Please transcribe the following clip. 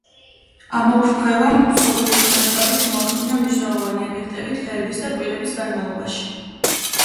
ამოფრქვევამ მსოფლიოს მასშტაბით მოახდინა მნიშვნელოვანი ეფექტები დღეების და კვირების განმავლობაში.